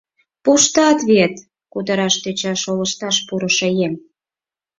— Пуштат вет!.. — кутыраш тӧча шолышташ пурышо еҥ.